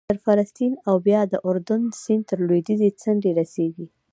تر فلسطین او بیا د اردن سیند تر لوېدیځې څنډې رسېږي